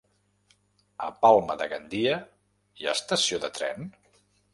A Palma de Gandia hi ha estació de tren?